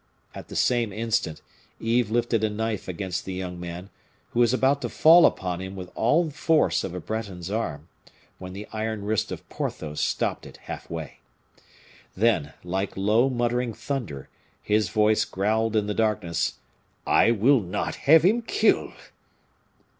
At the same instant, Yves lifted a knife against the young man, which was about to fall upon him with all force of a Breton's arm, when the iron wrist of Porthos stopped it half way. Then, like low muttering thunder, his voice growled in the darkness, "I will not have him killed!"